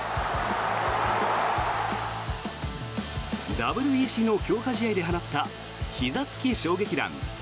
ＷＢＣの強化試合で放ったひざ突き衝撃弾。